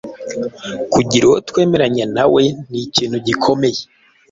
Kugira uwo twemeranya na we ni ikintu gikomeye.